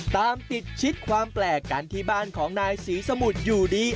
ตามติดชิดความแปลกกันที่บ้านของนายศรีสมุทรอยู่ดี